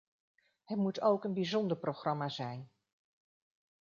Het moet ook een bijzonder programma zijn.